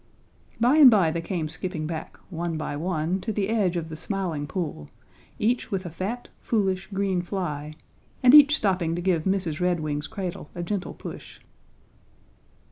By and by they came skipping back, one by one, to the edge of the Smiling Pool, each with a fat, foolish, green fly, and each stopping to give Mrs. Redwing's cradle a gentle push.